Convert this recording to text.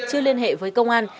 chưa liên hệ với công an